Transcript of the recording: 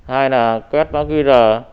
hai là quét bác ghi rờ